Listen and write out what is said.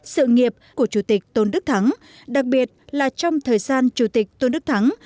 sự nghiệp của chủ tịch tổng đức thắng đặc biệt là trong thời gian chủ tịch tổng đức thắng